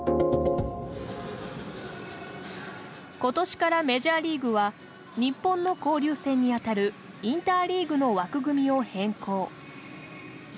今年からメジャーリーグは日本の交流戦にあたるインターリーグの枠組みを変更。